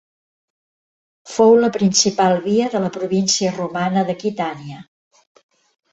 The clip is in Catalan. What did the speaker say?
Fou la principal via de la província romana d'Aquitània.